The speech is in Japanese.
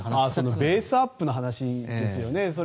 ベースアップの話ですよね。